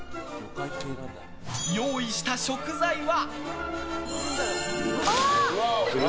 用意した食材は。